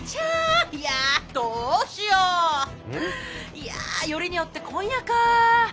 いやよりによって今夜か。